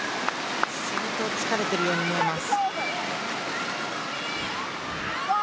相当疲れているように見えます。